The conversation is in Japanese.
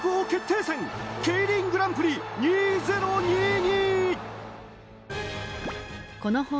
戦ＫＥＩＲＩＮグランプリ２０２２。